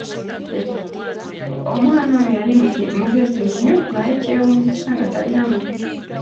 Omwana oyo yali mugezi nnyo naye kyewuunyisa nga tayina mulimu.